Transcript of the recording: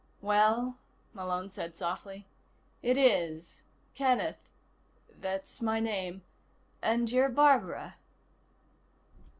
"Well," Malone said softly, "it is. Kenneth. That's my name. And you're Barbara."